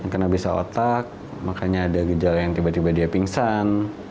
kena bisa otak makanya ada gejala yang tiba tiba dia pingsan